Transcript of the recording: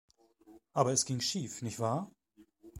Aber es ging schief, nicht wahr?